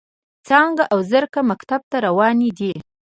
څانګه او زرکه مکتب ته روانې دي.